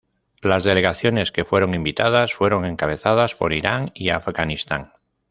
Las delegaciones que fueron invitadas fueron encabezadas por Irán y Afganistán.